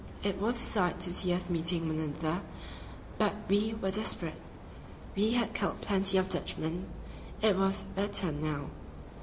It was a sight to see us meeting one another; but we were desperate: we had killed plenty of Dutchmen; it was their turn now.